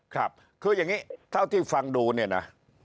ครับคืออย่างนี้เท่าที่ฟังดูเนี่ยนะ